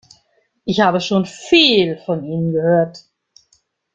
Ich habe schon viel von Ihnen gehört.